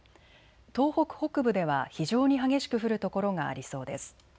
東北北部では非常に激しく降る所がありそうです。